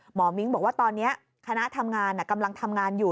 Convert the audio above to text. มิ้งบอกว่าตอนนี้คณะทำงานกำลังทำงานอยู่